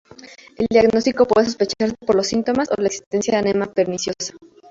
El diagnóstico puede sospecharse por los síntomas o la existencia de anemia perniciosa.